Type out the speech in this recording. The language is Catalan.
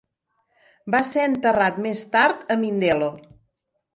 Va ser enterrat més tard a Mindelo.